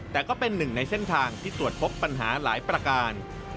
แต่ก็เป็นหนึ่งในเส้นทางที่ตรวจพบปัญหาหลายประการ